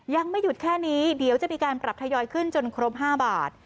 ยังไม่หยุดแค่นี้เดี๋ยวจะมีการปรับทยอยขึ้นจนครบ๕บาท